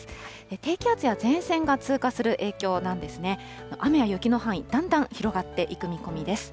低気圧や前線が通過する影響なんですね。